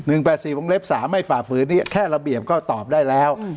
อืม๑๘๔๖๓ให้ฝ่าฝืนนี้แค่ระเบียบก็ตอบได้แล้วอืม